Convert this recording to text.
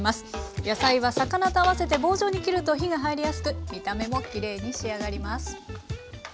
野菜は魚と合わせて棒状に切ると火が入りやすく見た目もきれいに仕上がります。